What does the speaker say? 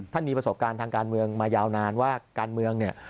มีประสบการณ์ทางการเมืองมายาวนานว่าการเมืองเนี่ย